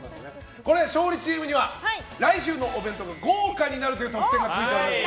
勝利チームには来週のお弁当が豪華になるという特典が付いております。